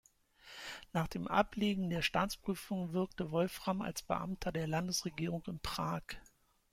Nach dem Ablegen der Staatsprüfung wirkte Wolfram als Beamter der Landesregierung in Prag.